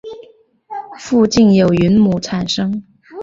附近有云母产出。